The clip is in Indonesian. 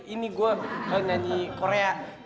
ini gua nyanyi korea